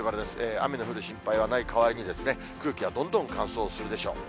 雨の降る心配はない代わりに、空気はどんどん乾燥するでしょう。